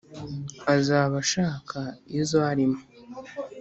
Azaba ashaka izo arimo;